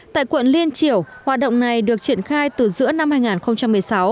tại quận liên triểu hoạt động này được triển khai từ giữa năm hai nghìn một mươi sáu